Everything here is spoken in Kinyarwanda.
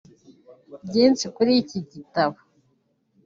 Byinshi kuri iki gitabo